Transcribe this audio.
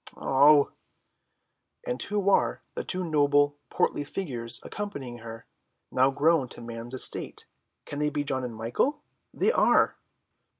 "Oh!" "And who are the two noble portly figures accompanying her, now grown to man's estate? Can they be John and Michael? They are!"